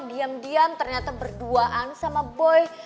diam diam ternyata berduaan sama boy